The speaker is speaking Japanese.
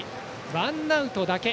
ワンアウトだけ。